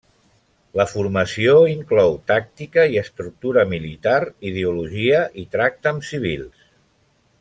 La formació inclou tàctica i estructura militar, ideologia i tracte amb civils.